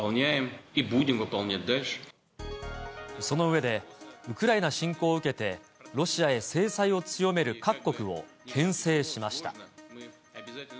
その上で、ウクライナ侵攻を受けて、ロシアへ制裁を強める各国をけん制しました。